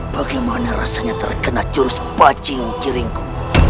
bagaimana rasanya terkena jurus bajing kiringku